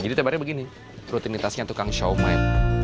jadi tempatnya begini rutinitasnya tukang shumai